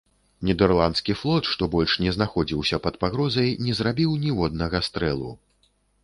Нідэрландскі флот, што больш не знаходзіўся пад пагрозай, не зрабіў ніводнага стрэлу.